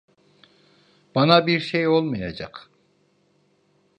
Bana bir şey olmayacak.